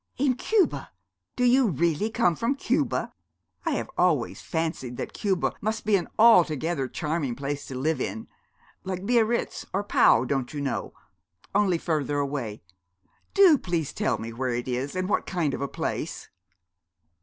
'In Cuba! Do you really come from Cuba? I have always fancied that Cuba must be an altogether charming place to live in like Biarritz or Pau, don't you know, only further away. Do please tell me where it is, and what kind of a place.'